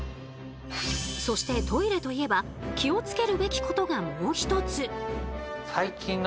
そしてトイレといえば気を付けるべきことがもうひとつ。